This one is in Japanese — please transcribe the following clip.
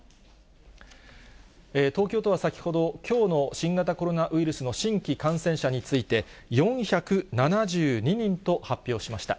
東京都は先ほど、きょうの新型コロナウイルスの新規感染者について、４７２人と発表しました。